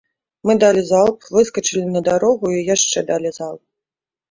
Мы далі залп, выскачылі на дарогу і яшчэ далі залп.